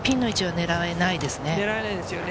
狙えないですよね。